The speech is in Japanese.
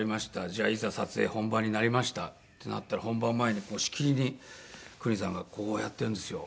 じゃあいざ撮影本番になりましたってなったら本番前にこうしきりに邦さんがこうやってやるんですよ。